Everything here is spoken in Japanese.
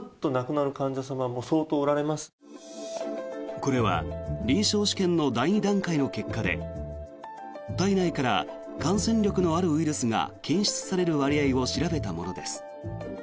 これは臨床試験の第２段階の結果で体内から感染力のあるウイルスが検出される割合を調べたものです。